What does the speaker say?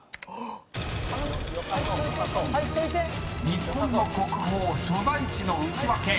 ［日本の国宝所在地のウチワケ］